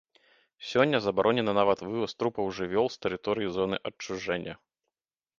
Сёння забаронены нават вываз трупаў жывёл з тэрыторыі зоны адчужэння.